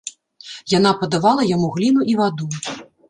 Яна падавала яму гліну і ваду.